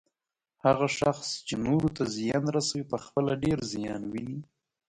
هغه شخص چې نورو ته زیان رسوي، پخپله ډیر زیان ويني